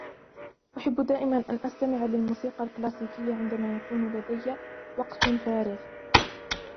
أحب دائما أن أستمع للموسيقى الكلاسيكية عندما يكون لدي وقت فارغ.